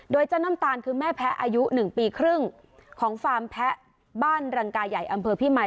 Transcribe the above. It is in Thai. โดยเจ้าน้ำตาลคือแม่แพ้อายุ๑ปีครึ่งของฟาร์มแพ้บ้านรังกายใหญ่อำเภอพี่มาย